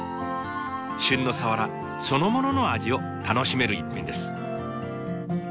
旬のサワラそのものの味を楽しめる一品です。